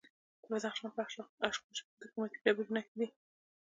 د بدخشان په اشکاشم کې د قیمتي ډبرو نښې دي.